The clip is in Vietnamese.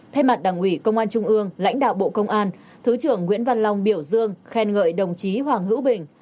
thay mặt đảng ủy công an trung ương lãnh đạo bộ công an thứ trưởng nguyễn văn long biểu dương khen ngợi đồng chí hoàng hữu bình